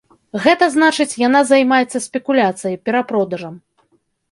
Гэта значыць, яна займаецца спекуляцыяй, перапродажам.